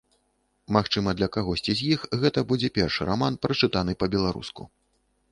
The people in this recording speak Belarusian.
Магчыма, для кагосьці з іх гэта будзе першы раман, прачытаны па-беларуску.